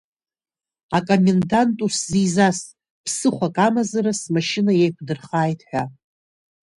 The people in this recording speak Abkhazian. Акомендант усзизас, ԥсыхәак амазара смашьына еиқәдырхааит ҳәа.